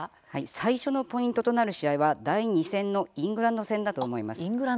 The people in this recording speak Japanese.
最初のポイントとなる試合は第２戦のイングランド戦だと思います。